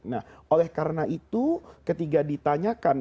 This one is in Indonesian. nah oleh karena itu ketika ditanyakan